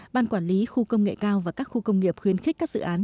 ban quản lý khu công nghệ cao và các khu công nghiệp khuyến khích các dự án